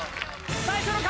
最初の壁